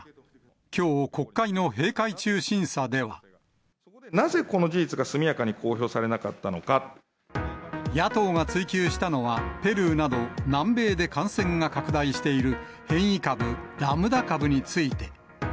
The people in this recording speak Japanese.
きょう、なぜこの事実が速やかに公表野党が追及したのは、ペルーなど南米で感染が拡大している変異株、ラムダ株について。